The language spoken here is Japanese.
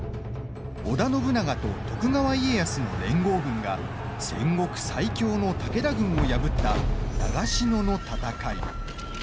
織田信長と徳川家康の連合軍が戦国最強の武田軍を破った長篠の戦い。